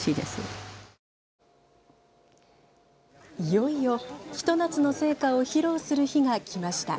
いよいよ、ひと夏の成果を披露する日が来ました。